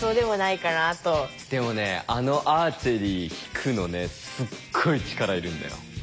でもねあのアーチェリー引くのねすっごい力いるんだよ。